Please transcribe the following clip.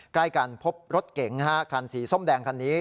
ใกล้กันพบรถเก๋งคันสีส้มแดงคันนี้